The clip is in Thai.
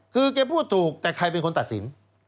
คือแกพูดถูกแต่ใครเป็นคนตัดสิน